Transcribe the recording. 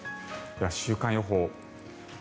では、週間予報。